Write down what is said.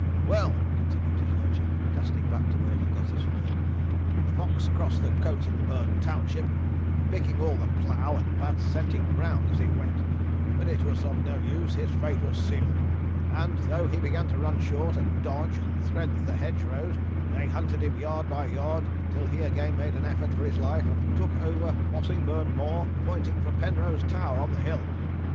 'Well,' continued his lordship, casting back to where he got his fall, 'the fox crossed the Coatenburn township, picking all the plough and bad scenting ground as he went, but it was of no use, his fate was sealed; and though he began to run short, and dodge and thread the hedge rows, they hunted him yard by yard till he again made an effort for his life, and took over Mossingburn Moor, pointing for Penrose Tower on the hill.